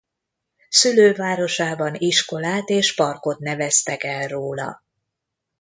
Szülővárosában iskolát és parkot neveztek el róla.